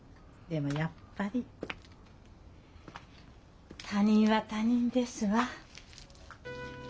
でもやっぱり他人は他人ですわ。